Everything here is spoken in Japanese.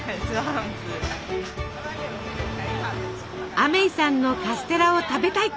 アメイさんのカステラを食べたい。